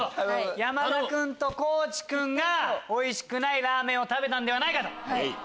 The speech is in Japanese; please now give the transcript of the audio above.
山田君と地君がおいしくないラーメンを食べたんではないかと。